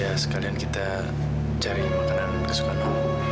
ya sekalian kita cari makanan kesukaanmu